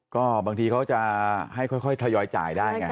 ก็บางทีเขาจะให้ค่อยทยอยจ่ายได้ไง